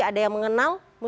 ada yang mengenal